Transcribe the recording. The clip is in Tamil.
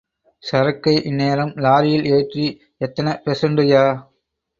சரக்கை இந்நேரம் லாரியில் ஏற்றி... எத்தன பெர்சண்டுய்யா?